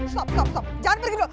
sof sof sof jangan pergi dulu